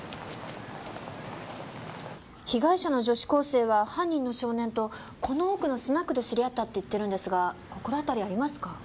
被害者の女子高生は犯人の少年とこの奥のスナックで知り合ったって言ってるんですが心当たりありますか？